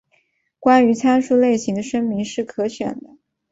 关于参数类型的声明是可选的。